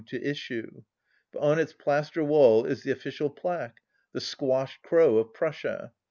to issue. But on its plaster wall is the official plaque — the " squashed crow " of Prussia.